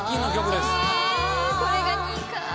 これが２位か。